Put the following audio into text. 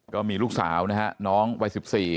ก็มีลูกสาวนะฮะน้องวัย๑๔